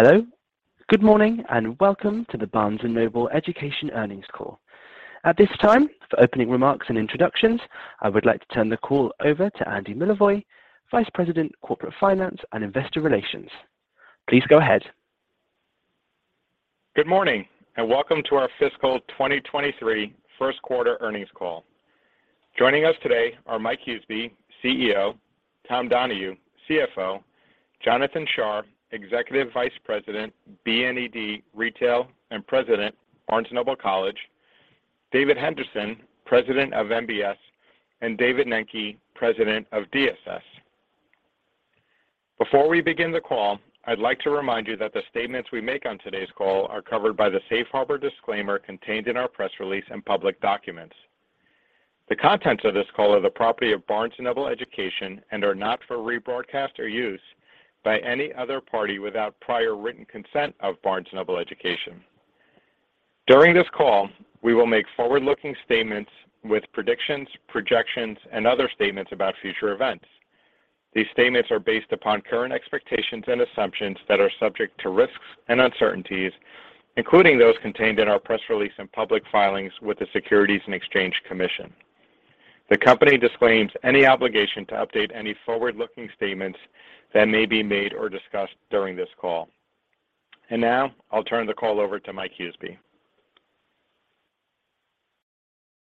Hello, good morning, and welcome to the Barnes & Noble Education Earnings Call. At this time, for opening remarks and introductions, I would like to turn the call over to Andy Milevoj, Vice President, Corporate Finance and Investor Relations. Please go ahead. Good morning, and welcome to our fiscal 2023 first quarter earnings call. Joining us today are Mike Huseby, CEO, Tom Donohue, CFO, Jonathan Shar, Executive Vice President, BNED Retail, and President, Barnes & Noble College, David Henderson, President of MBS, and David Nenke, President of DSS. Before we begin the call, I'd like to remind you that the statements we make on today's call are covered by the safe harbor disclaimer contained in our press release and public documents. The contents of this call are the property of Barnes & Noble Education and are not for rebroadcast or use by any other party without prior written consent of Barnes & Noble Education. During this call, we will make forward-looking statements with predictions, projections, and other statements about future events. These statements are based upon current expectations and assumptions that are subject to risks and uncertainties, including those contained in our press release and public filings with the Securities and Exchange Commission. The company disclaims any obligation to update any forward-looking statements that may be made or discussed during this call. Now, I'll turn the call over to Mike Huseby.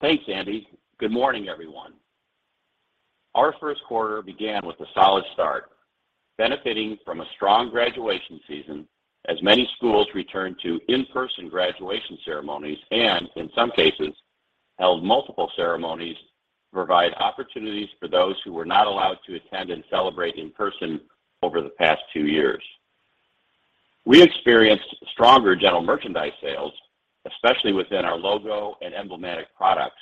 Thanks, Andy. Good morning, everyone. Our first quarter began with a solid start, benefiting from a strong graduation season as many schools returned to in-person graduation ceremonies and, in some cases, held multiple ceremonies to provide opportunities for those who were not allowed to attend and celebrate in person over the past two years. We experienced stronger general merchandise sales, especially within our logo and emblematic products,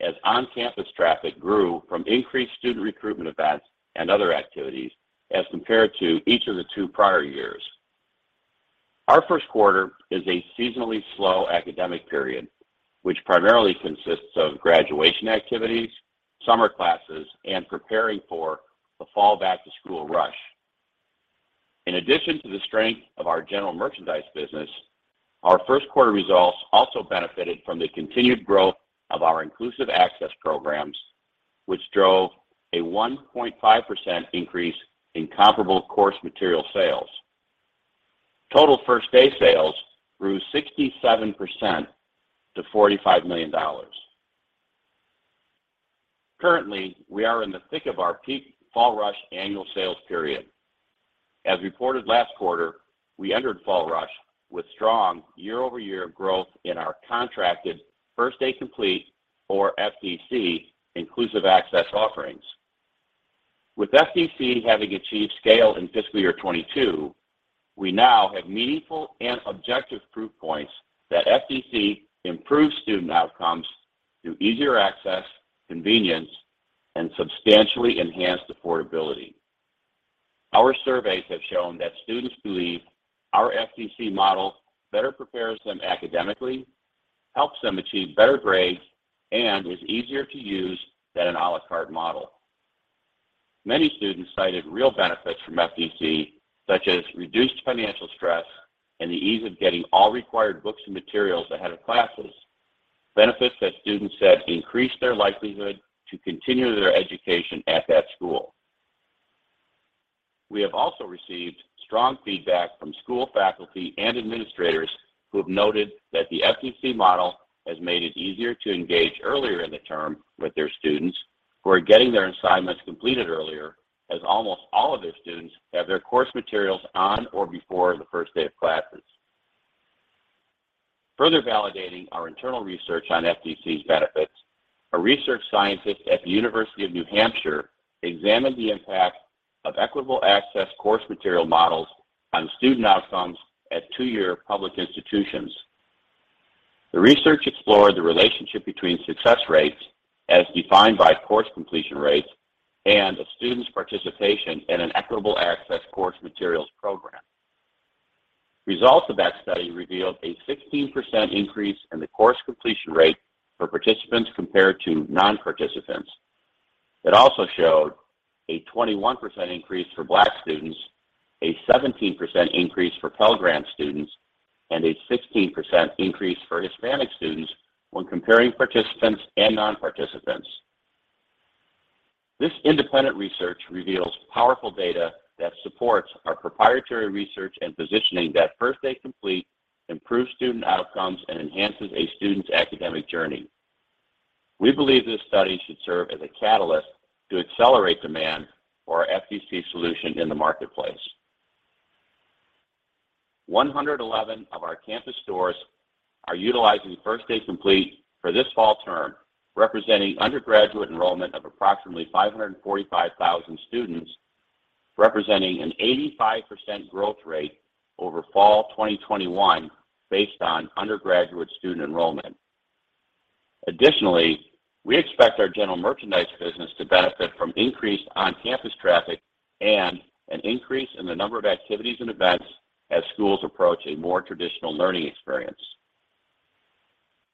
as on-campus traffic grew from increased student recruitment events and other activities as compared to each of the two prior years. Our first quarter is a seasonally slow academic period, which primarily consists of graduation activities, summer classes, and preparing for the fall back-to-school rush. In addition to the strength of our general merchandise business, our first quarter results also benefited from the continued growth of our Inclusive Access programs, which drove a 1.5% increase in comparable course material sales. Total first-day sales grew 67% to $45 million. Currently, we are in the thick of our peak fall rush annual sales period. As reported last quarter, we entered fall rush with strong year-over-year growth in our contracted First Day Complete, or FDC, inclusive access offerings. With FDC having achieved scale in fiscal year 2022, we now have meaningful and objective proof points that FDC improves student outcomes through easier access, convenience, and substantially enhanced affordability. Our surveys have shown that students believe our FDC model better prepares them academically, helps them achieve better grades, and is easier to use than an a la carte model. Many students cited real benefits from FDC, such as reduced financial stress and the ease of getting all required books and materials ahead of classes, benefits that students said increased their likelihood to continue their education at that school. We have also received strong feedback from school faculty and administrators who have noted that the FDC model has made it easier to engage earlier in the term with their students who are getting their assignments completed earlier, as almost all of their students have their course materials on or before the first day of classes. Further validating our internal research on FDC's benefits, a research scientist at the University of New Hampshire examined the impact of equitable access course material models on student outcomes at two-year public institutions. The research explored the relationship between success rates, as defined by course completion rates, and a student's participation in an equitable access course materials program. Results of that study revealed a 16% increase in the course completion rate for participants compared to non-participants. It also showed a 21% increase for Black students, a 17% increase for Pell Grant students, and a 16% increase for Hispanic students when comparing participants and non-participants. This independent research reveals powerful data that supports our proprietary research and positioning that First Day Complete improves student outcomes and enhances a student's academic journey. We believe this study should serve as a catalyst to accelerate demand for our FDC solution in the marketplace. 111 of our campus stores are utilizing First Day Complete for this fall term, representing undergraduate enrollment of approximately 545,000 students, representing an 85% growth rate over fall 2021 based on undergraduate student enrollment. Additionally, we expect our general merchandise business to benefit from increased on-campus traffic and an increase in the number of activities and events as schools approach a more traditional learning experience.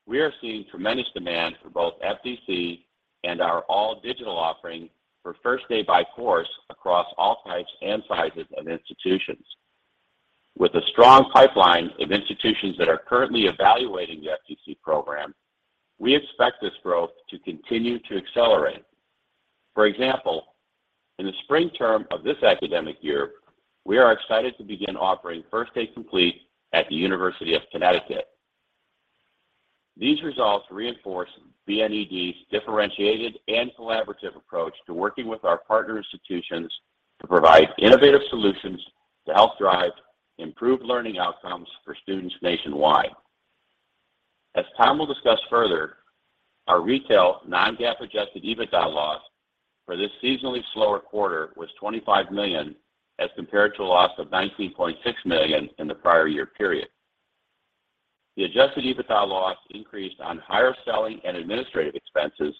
We are seeing tremendous demand for both FDC and our all-digital offering for First Day by Course across all types and sizes of institutions. With a strong pipeline of institutions that are currently evaluating the FDC program, we expect this growth to continue to accelerate. For example, in the spring term of this academic year, we are excited to begin offering First Day Complete at the University of Connecticut. These results reinforce BNED's differentiated and collaborative approach to working with our partner institutions to provide innovative solutions to help drive improved learning outcomes for students nationwide. As Tom will discuss further, our retail non-GAAP adjusted EBITDA loss for this seasonally slower quarter was $25 million as compared to a loss of $19.6 million in the prior year period. The adjusted EBITDA loss increased on higher selling and administrative expenses,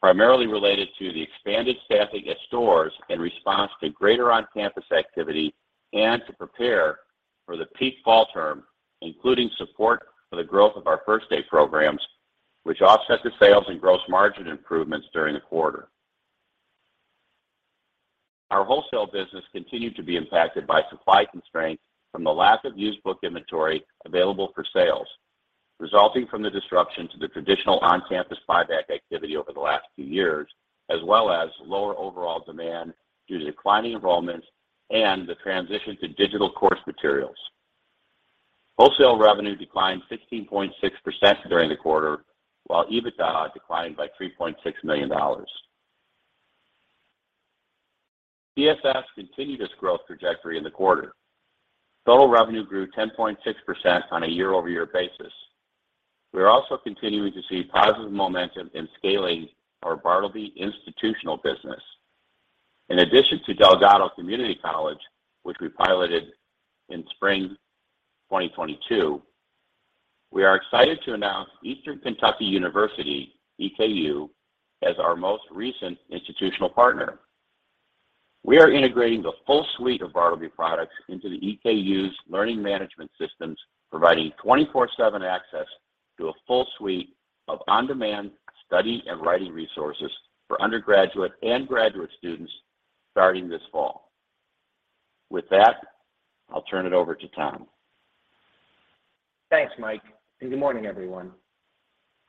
primarily related to the expanded staffing at stores in response to greater on-campus activity and to prepare for the peak fall term, including support for the growth of our First Day programs, which offset the sales and gross margin improvements during the quarter. Our wholesale business continued to be impacted by supply constraints from the lack of used book inventory available for sales, resulting from the disruption to the traditional on-campus buyback activity over the last few years, as well as lower overall demand due to declining enrollments and the transition to digital course materials. Wholesale revenue declined 16.6% during the quarter, while EBITDA declined by $3.6 million. BSS continued its growth trajectory in the quarter. Total revenue grew 10.6% on a year-over-year basis. We are also continuing to see positive momentum in scaling our Bartleby institutional business. In addition to Delgado Community College, which we piloted in spring 2022, we are excited to announce Eastern Kentucky University, EKU, as our most recent institutional partner. We are integrating the full suite of Bartleby products into the EKU's learning management systems, providing 24/7 access to a full suite of on-demand study and writing resources for undergraduate and graduate students starting this fall. With that, I'll turn it over to Tom. Thanks, Mike, and good morning, everyone.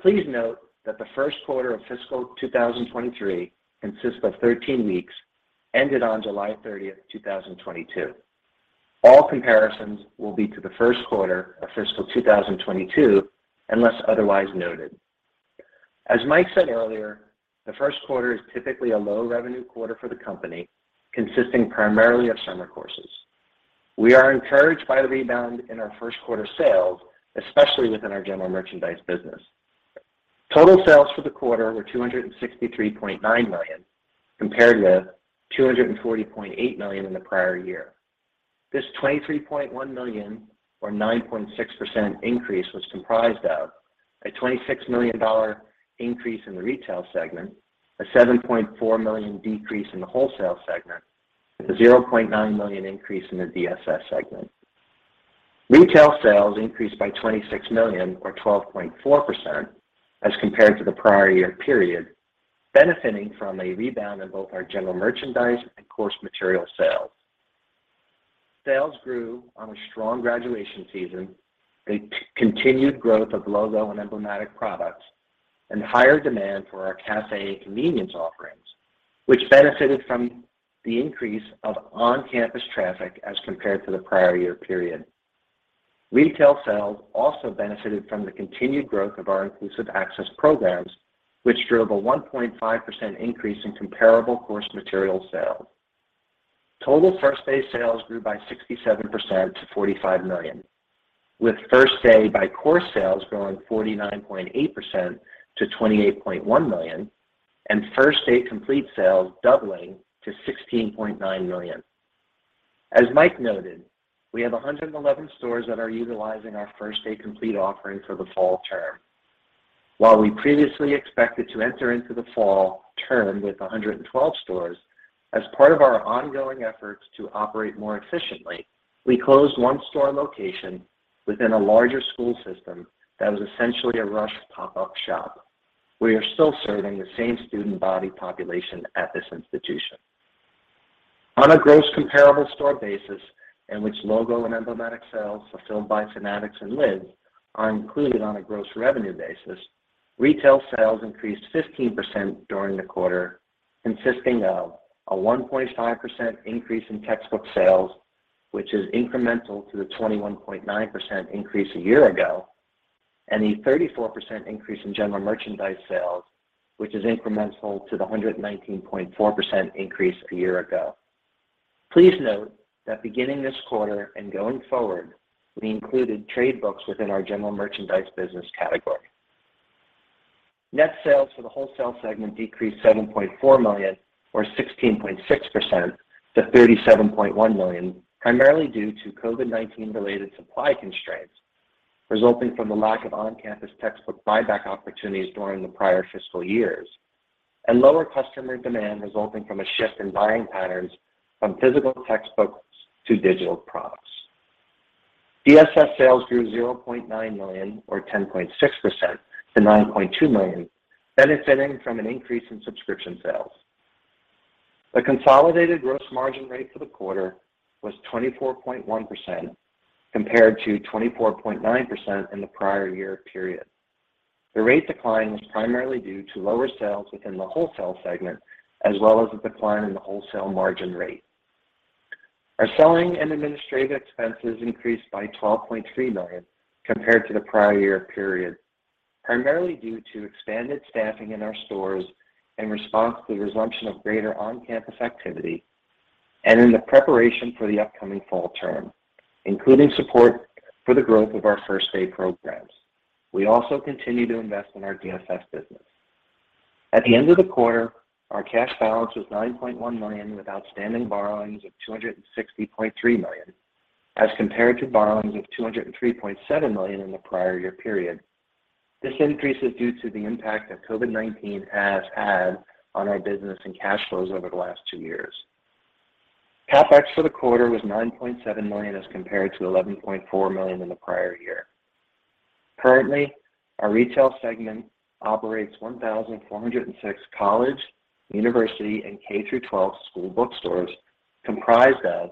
Please note that the first quarter of fiscal 2023 consists of 13 weeks ended on July 30, 2022. All comparisons will be to the first quarter of fiscal 2022 unless otherwise noted. As Mike said earlier, the first quarter is typically a low revenue quarter for the company, consisting primarily of summer courses. We are encouraged by the rebound in our first quarter sales, especially within our general merchandise business. Total sales for the quarter were $263.9 million, compared to $240.8 million in the prior year. This $23.1 million or 9.6% increase was comprised of a $26 million increase in the retail segment, a $7.4 million decrease in the wholesale segment, and a $0.9 million increase in the DSS segment. Retail sales increased by $26 million or 12.4% as compared to the prior year period, benefiting from a rebound in both our general merchandise and course material sales. Sales grew on a strong graduation season, a continued growth of logo and emblematic products, and higher demand for our café and convenience offerings, which benefited from the increase of on-campus traffic as compared to the prior year period. Retail sales also benefited from the continued growth of our Inclusive Access programs, which drove a 1.5% increase in comparable course material sales. Total First Day sales grew by 67% to $45 million, with First Day by Course sales growing 49.8% to $28.1 million and First Day Complete sales doubling to $16.9 million. As Mike noted, we have 111 stores that are utilizing our First Day Complete offering for the fall term. While we previously expected to enter into the fall term with 112 stores, as part of our ongoing efforts to operate more efficiently, we closed 1 store location within a larger school system that was essentially a rush pop-up shop. We are still serving the same student body population at this institution. On a gross comparable store basis in which logo and emblematic sales fulfilled by Fanatics and Lids are included on a gross revenue basis, retail sales increased 15% during the quarter, consisting of a 1.5% increase in textbook sales, which is incremental to the 21.9% increase a year ago, and a 34% increase in general merchandise sales, which is incremental to the 119.4% increase a year ago. Please note that beginning this quarter and going forward, we included trade books within our general merchandise business category. Net sales for the wholesale segment decreased $7.4 million or 16.6% to $37.1 million, primarily due to COVID-19 related supply constraints resulting from the lack of on-campus textbook buyback opportunities during the prior fiscal years. Lower customer demand resulting from a shift in buying patterns from physical textbooks to digital products. DSS sales grew $0.9 million or 10.6% to $9.2 million, benefiting from an increase in subscription sales. The consolidated gross margin rate for the quarter was 24.1% compared to 24.9% in the prior year period. The rate decline was primarily due to lower sales within the wholesale segment, as well as a decline in the wholesale margin rate. Our selling and administrative expenses increased by $12.3 million compared to the prior year period, primarily due to expanded staffing in our stores in response to the resumption of greater on-campus activity and in the preparation for the upcoming fall term, including support for the growth of our First Day programs. We also continue to invest in our DSS business. At the end of the quarter, our cash balance was $9.1 million, with outstanding borrowings of $260.3 million, as compared to borrowings of $203.7 million in the prior year period. This increase is due to the impact that COVID-19 has had on our business and cash flows over the last two years. CapEx for the quarter was $9.7 million, as compared to $11.4 million in the prior year. Currently, our retail segment operates 1,406 college, university, and K-12 school bookstores, comprised of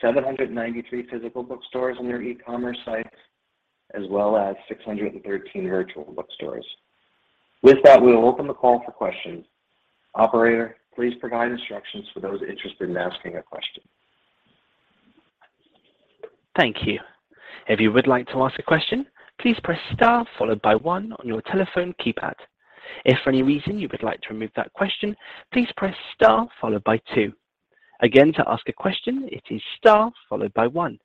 793 physical bookstores and their e-commerce sites, as well as 613 virtual bookstores. With that, we will open the call for questions. Operator, please provide instructions for those interested in asking a question. Thank you. If you would like to ask a question, please press star followed by one on your telephone keypad. If for any reason you would like to remove that question, please press star followed by two. Again, to ask a question, it is star followed by one.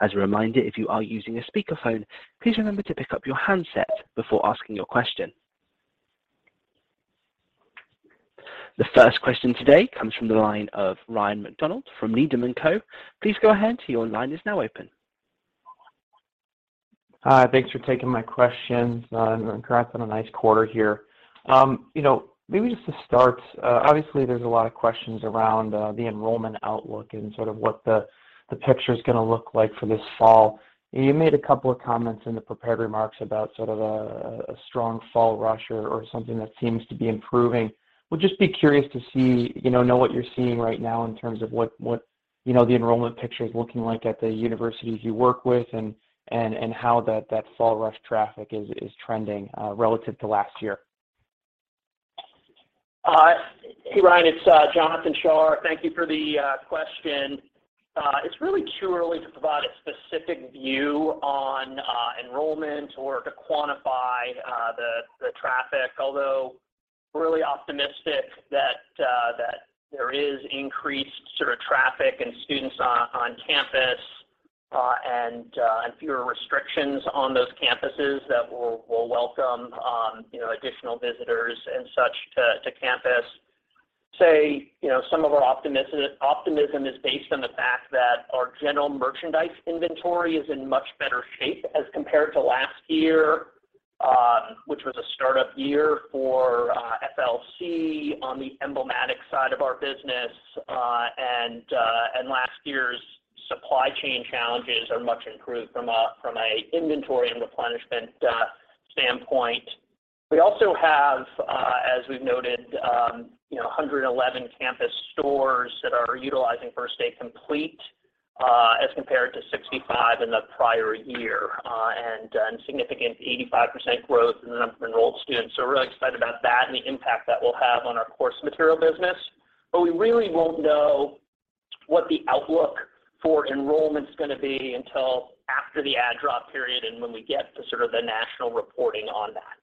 As a reminder, if you are using a speakerphone, please remember to pick up your handset before asking your question. The first question today comes from the line of Ryan MacDonald from Needham & Company. Please go ahead. Your line is now open. Hi, thanks for taking my questions. Congrats on a nice quarter here. You know, maybe just to start, obviously, there's a lot of questions around the enrollment outlook and sort of what the picture's gonna look like for this fall. You made a couple of comments in the prepared remarks about sort of a strong fall rush or something that seems to be improving. Would just be curious to see, you know what you're seeing right now in terms of what you know, the enrollment picture is looking like at the universities you work with and how that fall rush traffic is trending relative to last year. Hey, Ryan, it's Jonathan Shar. Thank you for the question. It's really too early to provide a specific view on enrollment or to quantify the traffic, although we're really optimistic that there is increased sort of traffic and students on campus and fewer restrictions on those campuses that will welcome you know additional visitors and such to campus. So, you know, some of our optimism is based on the fact that our general merchandise inventory is in much better shape as compared to last year, which was a startup year for FLC on the emblematic side of our business. Last year's supply chain challenges are much improved from a inventory and replenishment standpoint. We also have, as we've noted, you know, 111 campus stores that are utilizing First Day Complete, as compared to 65 in the prior year, and significant 85% growth in the number of enrolled students. We're really excited about that and the impact that will have on our course material business. We really won't know what the outlook for enrollment's gonna be until after the add/drop period and when we get to sort of the national reporting on that.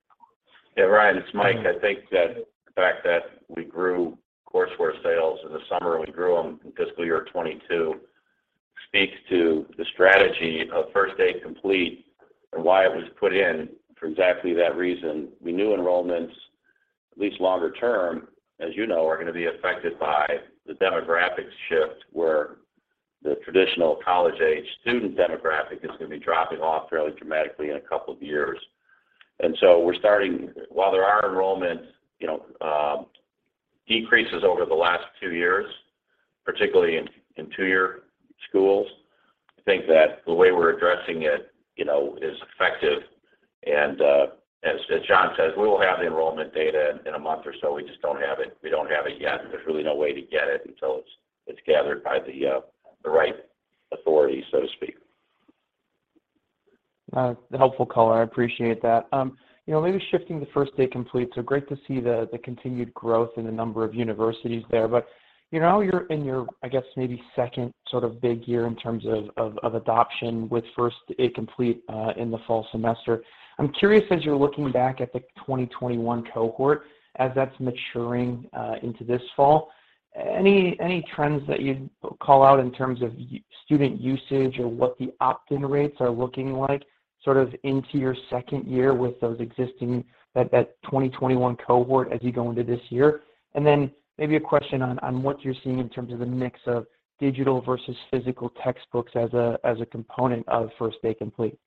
Yeah, Ryan, it's Mike. I think that the fact that we grew courseware sales in the summer and we grew them in fiscal year 2022 speaks to the strategy of First Day Complete and why it was put in for exactly that reason. We knew enrollments, at least longer term, as you know, are gonna be affected by the demographic shift, where the traditional college-age student demographic is gonna be dropping off fairly dramatically in a couple of years. While there are enrollment, you know, decreases over the last two years, particularly in two-year schools, I think that the way we're addressing it, you know, is effective. As John says, we will have the enrollment data in a month or so. We just don't have it. We don't have it yet, and there's really no way to get it until it's gathered by the right authority, so to speak. Helpful color. I appreciate that. You know, maybe shifting to First Day Complete, so great to see the continued growth in the number of universities there. You know, you're in your, I guess, maybe second sort of big year in terms of adoption with First Day Complete in the fall semester. I'm curious, as you're looking back at the 2021 cohort, as that's maturing into this fall, any trends that you'd call out in terms of student usage or what the opt-in rates are looking like sort of into your second year with those existing, that 2021 cohort as you go into this year? And then maybe a question on what you're seeing in terms of the mix of digital versus physical textbooks as a component of First Day Complete.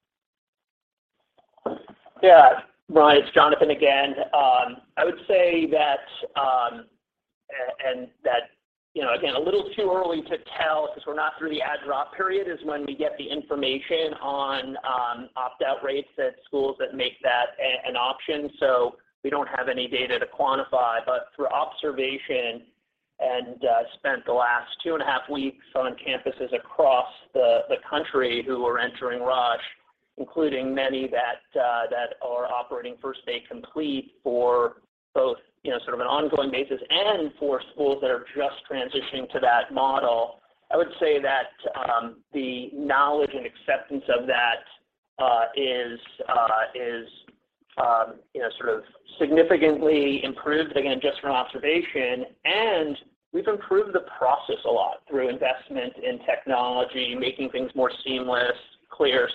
Yeah, Ryan, it's Jonathan again. I would say that, you know, again, a little too early to tell because we're not through the add-drop period is when we get the information on opt-out rates at schools that make that an option. So we don't have any data to quantify. But through observation and spent the last 2.5 weeks on campuses across the country who are entering rush, including many that are operating First Day Complete for both, you know, sort of an ongoing basis and for schools that are just transitioning to that model. I would say that the knowledge and acceptance of that is, you know, sort of significantly improved, again, just from observation. We've improved the process a lot through investment in technology, making things more seamless, clear.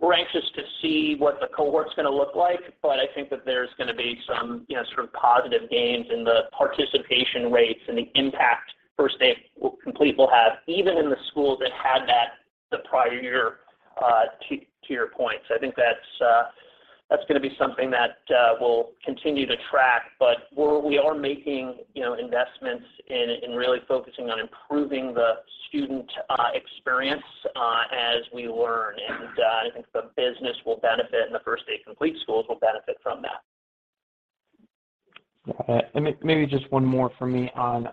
We're anxious to see what the cohort's gonna look like, but I think that there's gonna be some, you know, sort of positive gains in the participation rates and the impact First Day Complete will have even in the schools that had that the prior year, to your point. I think that's gonna be something that we'll continue to track. We're making, you know, investments in really focusing on improving the student experience as we learn. I think the business will benefit and the First Day Complete schools will benefit from that. Yeah. Maybe just one more for me on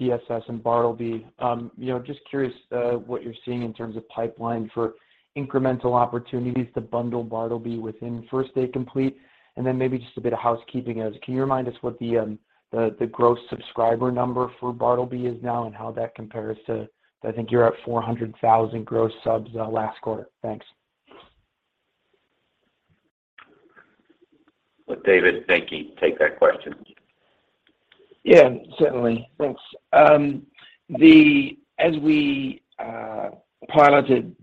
DSS and bartleby. You know, just curious what you're seeing in terms of pipeline for incremental opportunities to bundle bartleby within First Day Complete, and then maybe just a bit of housekeeping. Can you remind us what the gross subscriber number for bartleby is now and how that compares to. I think you're at 400,000 gross subs last quarter. Thanks. David, thank you. Take that question. Yeah, certainly. Thanks. As we piloted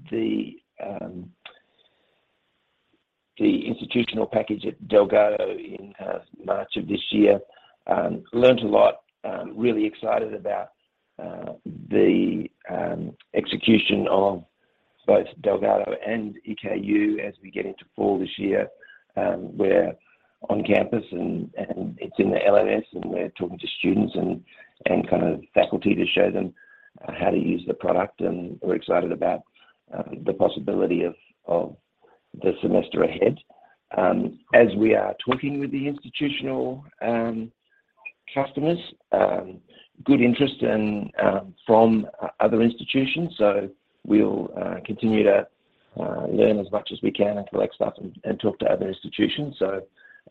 the institutional package at Delgado in March of this year, learned a lot, really excited about the execution of both Delgado and EKU as we get into fall this year. We're on campus and it's in the LMS, and we're talking to students and kind of faculty to show them how to use the product, and we're excited about the possibility of the semester ahead. As we are talking with the institutional customers, good interest and from other institutions. We'll continue to learn as much as we can and collect stuff and talk to other institutions.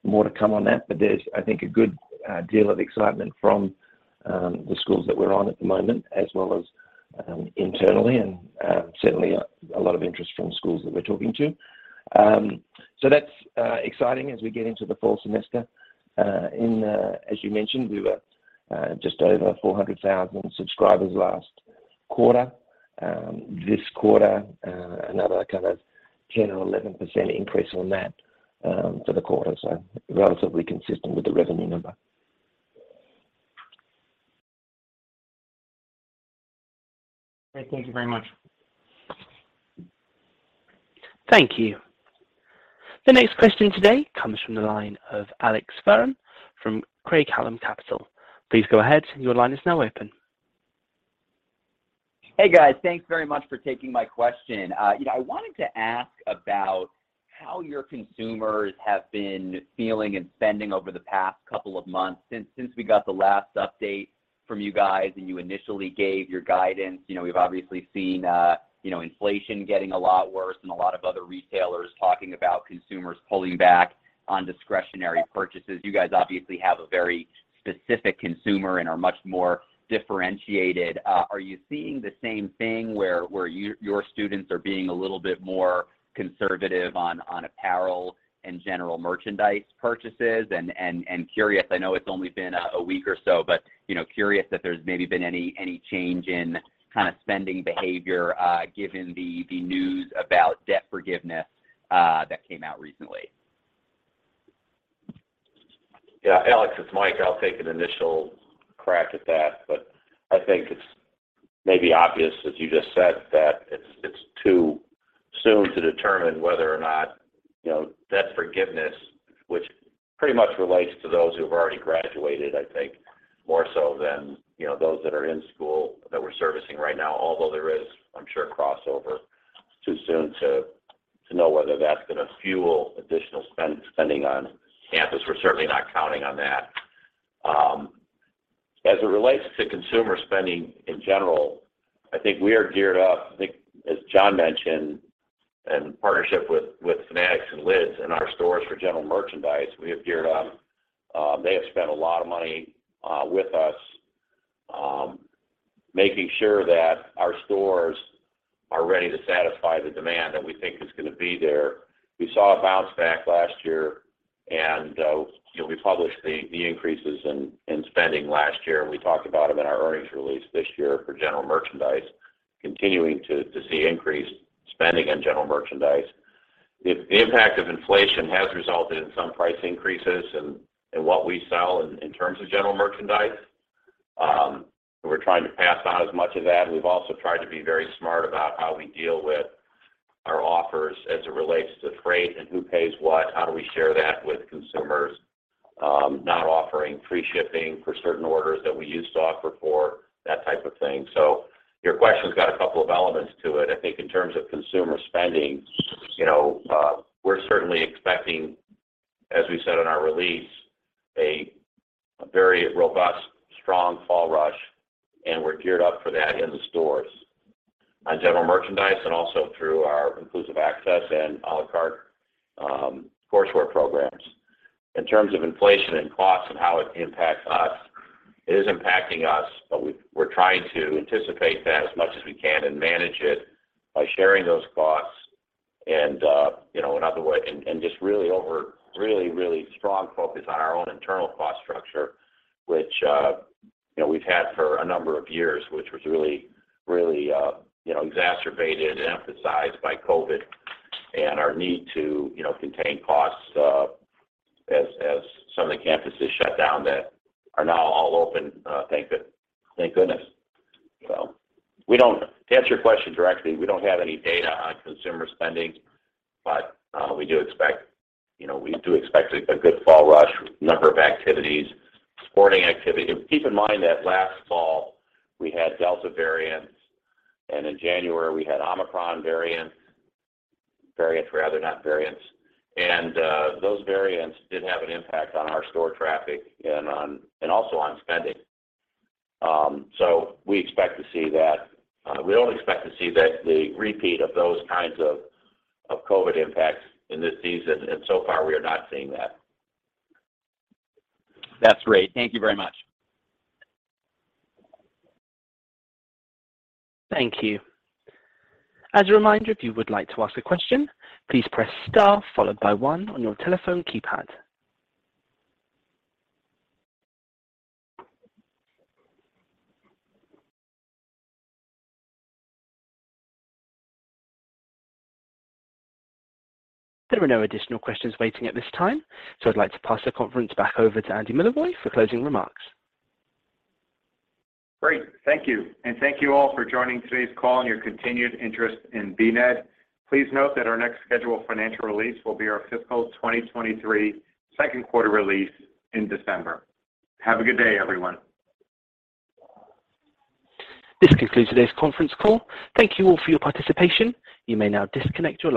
More to come on that. There's, I think, a good deal of excitement from the schools that we're on at the moment, as well as internally and certainly a lot of interest from schools that we're talking to. That's exciting as we get into the fall semester. In, as you mentioned, we were just over 400,000 subscribers last quarter. This quarter, another kind of 10% or 11% increase on that for the quarter, so relatively consistent with the revenue number. Great. Thank you very much. Thank you. The next question today comes from the line of Alex Fuhrman from Craig-Hallum Capital. Please go ahead. Your line is now open. Hey, guys. Thanks very much for taking my question. You know, I wanted to ask about how your consumers have been feeling and spending over the past couple of months since we got the last update from you guys, and you initially gave your guidance. You know, we've obviously seen, you know, inflation getting a lot worse and a lot of other retailers talking about consumers pulling back on discretionary purchases. You guys obviously have a very specific consumer and are much more differentiated. Are you seeing the same thing where your students are being a little bit more conservative on apparel and general merchandise purchases? Curious, I know it's only been a week or so, but you know, curious if there's maybe been any change in kinda spending behavior, given the news about debt forgiveness that came out recently. Yeah. Alex, it's Mike. I'll take an initial crack at that, but I think it's maybe obvious, as you just said, that it's too soon to determine whether or not, you know, debt forgiveness, which pretty much relates to those who've already graduated, I think, more so than, you know, those that are in school that we're servicing right now, although there is, I'm sure, crossover, too soon to know whether that's gonna fuel additional spending on campus. We're certainly not counting on that. As it relates to consumer spending in general, I think we are geared up. I think as John mentioned, in partnership with Fanatics and Lids in our stores for general merchandise, we are geared up. They have spent a lot of money with us making sure that our stores are ready to satisfy the demand that we think is gonna be there. We saw a bounce back last year, and you know, we published the increases in spending last year, and we talked about them in our earnings release this year for general merchandise, continuing to see increased spending on general merchandise. The impact of inflation has resulted in some price increases in what we sell in terms of general merchandise. We're trying to pass on as much of that. We've also tried to be very smart about how we deal with our offers as it relates to freight and who pays what, how do we share that with consumers, not offering free shipping for certain orders that we used to offer for, that type of thing. Your question's got a couple of elements to it. I think in terms of consumer spending, you know, we're certainly expecting, as we said in our release, a very robust, strong fall rush, and we're geared up for that in the stores on general merchandise and also through our Inclusive Access and à la carte courseware programs. In terms of inflation and costs and how it impacts us, it is impacting us, but we're trying to anticipate that as much as we can and manage it by sharing those costs and, you know, in other ways and just really strong focus on our own internal cost structure, which, you know, we've had for a number of years, which was really exacerbated and emphasized by COVID and our need to, you know, contain costs as some of the campuses shut down that are now all open, thank goodness. To answer your question directly, we don't have any data on consumer spending, but we do expect, you know, we do expect a good fall rush with a number of activities, sporting activity. Keep in mind that last fall we had Delta variants, and in January we had Omicron variants. Those variants did have an impact on our store traffic and also on spending. We expect to see that. We don't expect to see the repeat of those kinds of COVID impacts in this season, and so far we are not seeing that. That's great. Thank you very much. Thank you. As a reminder, if you would like to ask a question, please press star followed by one on your telephone keypad. There are no additional questions waiting at this time. I'd like to pass the conference back over to Andy Milevoj for closing remarks. Great. Thank you. Thank you all for joining today's call and your continued interest in BNED. Please note that our next scheduled financial release will be our fiscal 2023 second quarter release in December. Have a good day, everyone. This concludes today's conference call. Thank you all for your participation. You may now disconnect your line.